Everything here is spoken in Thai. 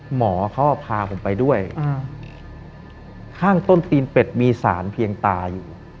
หมอเขาพาผมไปด้วยข้างต้นตีนเป็ดมีสารเพียงตาอยู่